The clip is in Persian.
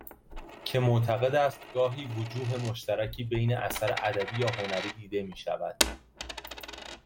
که معتقد است گاهی وجوه مشترکی بین اثر ادبی یا هنری دیده میشود